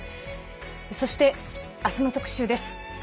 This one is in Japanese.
そして、明日の特集です。